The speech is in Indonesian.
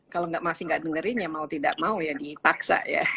kalau masih tidak mendengarkan ya mau tidak mau ya ditaksa ya